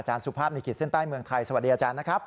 สุภาพในขีดเส้นใต้เมืองไทยสวัสดีอาจารย์นะครับ